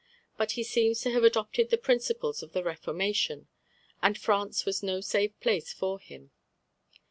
But he seems to have adopted the principles of the Reformation, and France was no safe place for him.